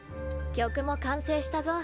曲も完成したぞ。